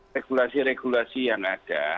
regulasi regulasi yang ada